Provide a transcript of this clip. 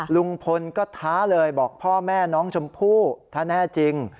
ลุงพลก็ท้าเลยบอกพ่อแม่น้องชมพู่ถ้าแน่จริง